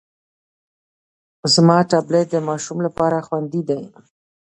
زما ټابلیټ د ماشوم لپاره خوندي دی.